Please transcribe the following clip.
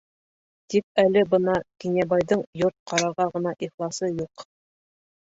Тик әле бына Кинйәбайҙың йорт ҡарарға ғына ихласы юҡ.